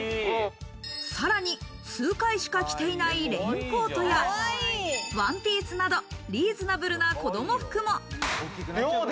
さらに数回しか着ていないレインコートやワンピースなどリーズナブルな子供服も。